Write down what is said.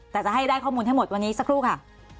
แต่จะให้ได้ข้อมูลให้หมดวันนี้สักครู่ค่ะ